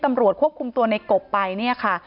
ตำรวจควบคุมตัวในกบไปเนี่ยค่ะ